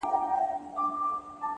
اخلاص د عمل وزن دروندوي!.